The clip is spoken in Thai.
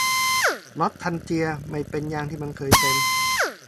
นอสทัลเจียไม่เป็นอย่างที่มันเคยเป็น